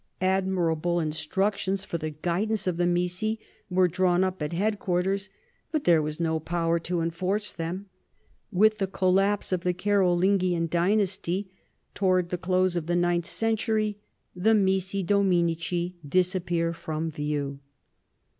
Admirable instructions for the guidance of the Tnissi were drawn up at headquarters, but there was no power to enforce them. With the collapse of the Carolingian dynasty towards the close of the ninth century' the missi dominici disap pear from view.